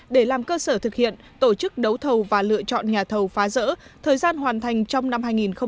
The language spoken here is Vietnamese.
để làm cơ sở thực hiện tổ chức đấu thầu và lựa chọn nhà thầu phá rỡ thời gian hoàn thành trong năm hai nghìn hai mươi